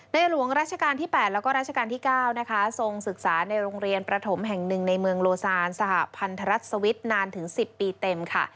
หลวงราชการที่๘แล้วก็ราชการที่๙นะคะทรงศึกษาในโรงเรียนประถมแห่งหนึ่งในเมืองโลซานสหพันธรัฐสวิทย์นานถึง๑๐ปีเต็มค่ะ